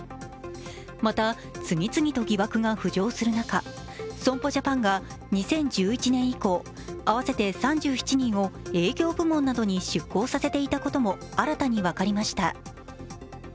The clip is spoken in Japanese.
また、次々と疑惑が浮上する中、損保ジャパンが２０１１年以降、合わせて３７人を営業部門などに出向させていたことも新たに分かりました。